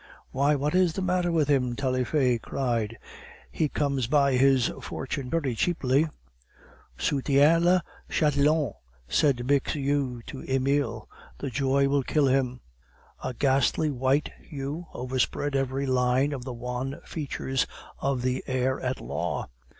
"Why, what is the matter with him?" Taillefer cried. "He comes by his fortune very cheaply." "Soutiens le Chatillon!" said Bixiou to Emile. "The joy will kill him." A ghastly white hue overspread every line of the wan features of the heir at law.